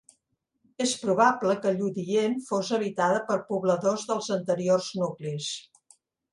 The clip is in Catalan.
És probable que Lludient fos habitada per pobladors dels anteriors nuclis.